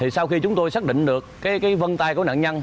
sau khi chúng tôi xác định được vân tay của nạn nhân